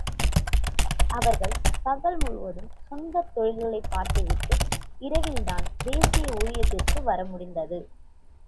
அவர்கள் பகல் முழுவதும் சொந்தத் தொழில்களைப் பார்த்து விட்டு, இரவில்தான் தேச ஊழியத்திற்கு வரமுடிந்தது.